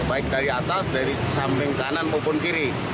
baik dari atas dari samping kanan maupun kiri